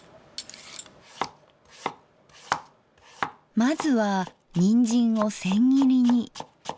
まずはにんじんを千切りに。